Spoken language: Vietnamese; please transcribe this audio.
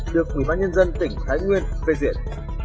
được quỹ ban nhân dân tỉnh thái nguyên phê diện